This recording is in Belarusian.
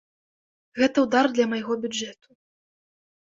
Гэта ўдар для майго бюджэту.